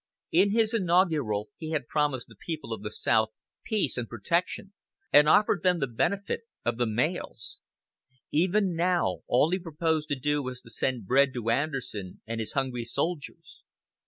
In his inaugural he had promised the people of the South peace and protection, and offered them the benefit of the mails. Even now, all he proposed to do was to send bread to Anderson and his hungry soldiers.